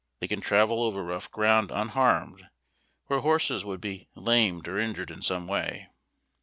They can travel over rough ground unharmed where horses would be lamed or injured in some way.